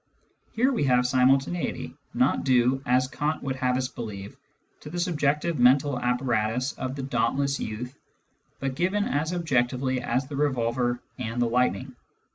Here we have simultaneity — not due, as Kant would have us believe, to the subjective mental apparatus of the dauntless youth, but given as objectively as the revolver and the lightning.